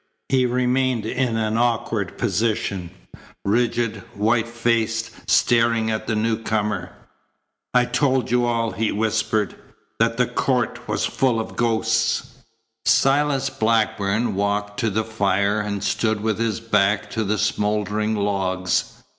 He remained in an awkward position, rigid, white faced, staring at the newcomer. "I told you all," he whispered, "that the court was full of ghosts." Silas Blackburn walked to the fire, and stood with his back to the smouldering logs.